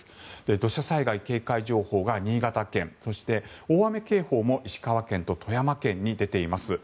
土砂災害警戒情報が新潟県そして大雨警報も石川県と富山県に出ています。